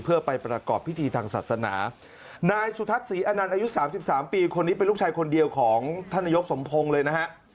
เพื่อไปประกอบพิธีทางศาสนานายสุทัศน์ศรีอนันต์อายุสามสิบสามปีคนนี้เป็นลูกชายคนเดียวของท่านนายกสมพงศ์เลยนะฮะ